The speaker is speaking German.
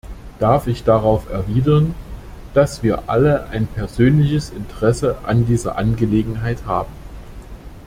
Darf ich darauf erwidern, dass wir alle ein persönliches Interesse an dieser Angelegenheit haben.